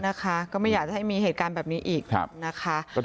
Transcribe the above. นะคะก็ไม่อยากจะให้มีเหตุการณ์แบบนี้อีกนะคะ